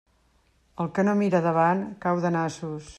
El que no mira davant, cau de nassos.